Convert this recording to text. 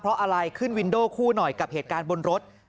เพราะอะไรขึ้นวินโด่คู่หน่อยกับเหตุการณ์บนรถ